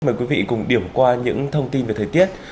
mời quý vị cùng điểm qua những thông tin về thời tiết